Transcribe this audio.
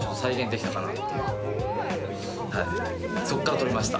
そっから取りました。